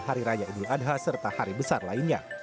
hari raya idul adha serta hari besar lainnya